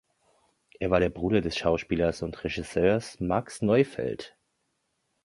Er war der Bruder des Schauspielers und Regisseurs Max Neufeld.